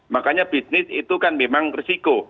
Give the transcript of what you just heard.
makanya bisnis itu kan memang risiko